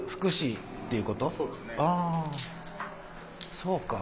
そうか。